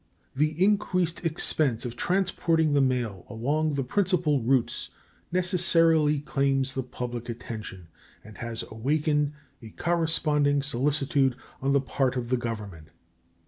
The increased expense of transporting the mail along the principal routes necessarily claims the public attention, and has awakened a corresponding solicitude on the part of the Government.